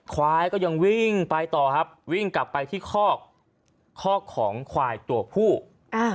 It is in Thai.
ควายก็ยังวิ่งไปต่อครับวิ่งกลับไปที่คอกคอกของควายตัวผู้อ่า